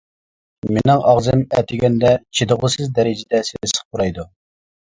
مېنىڭ ئاغزىم ئەتىگەندە چىدىغۇسىز دەرىجىدە سېسىق پۇرايدۇ.